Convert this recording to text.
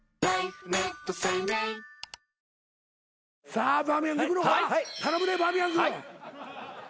さあバーミヤンズいくのか頼むでバーミヤンズ。